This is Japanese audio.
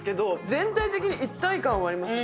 全体的に一体感はあります。